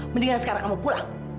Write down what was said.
mendingan sekarang kamu pulang